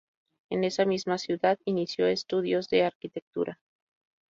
En esa misma ciudad inició estudios de arquitectura.